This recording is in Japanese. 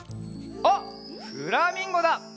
あっフラミンゴだ！